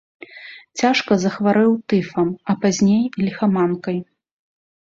Цяжка захварэў тыфам, а пазней ліхаманкай.